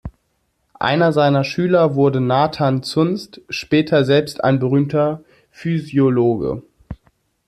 Einer seiner Schüler wurde Nathan Zuntz, später selbst ein berühmter Physiologe.